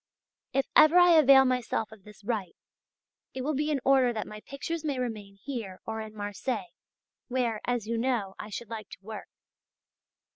If ever I avail myself of this right, it will be in order that my pictures may remain here or in Marseilles, where, as you know, I should like to work.